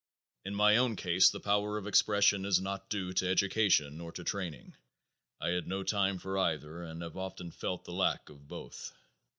In my own case the power of expression is not due to education or to training. I had no time for either and have often felt the lack of both.